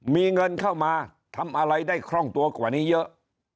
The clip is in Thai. มีเงินเข้ามาทำอะไรได้คล่องตัวกว่านี้เยอะ